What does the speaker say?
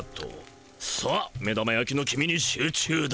さあ目玉やきの黄身に集中だ。